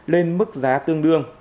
lên mức giá tương đương